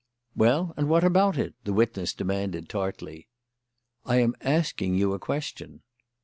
"Well, and what about it?" the witness demanded tartly. "I am asking you a question."